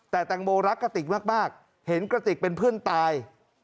แต่แตงโมรักกระติกมากเห็นกระติกเป็นเพื่อนตาย